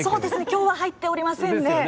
今日は入っておりませんね。